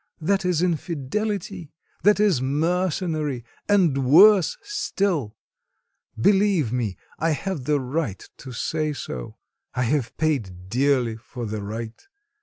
That is infidelity, that is mercenary, and worse still. Believe me, I have the right to say so; I have paid dearly for the right.